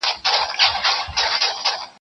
کښته راغی ورته کښېنستی پر مځکه